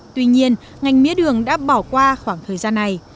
tuy nhiên ngành mía đường đã bỏ qua khoảng thời gian này